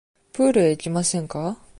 プールへ行きませんか。